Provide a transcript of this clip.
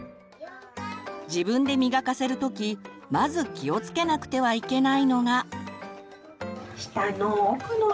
自分で磨かせるときまず気をつけなくてはいけないのが。